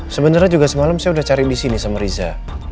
sebenernya juga semalam saya udah cari disini sama riza